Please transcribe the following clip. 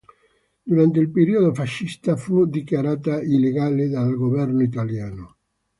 Durante il periodo fascista fu dichiarata illegale dal Governo Italiano.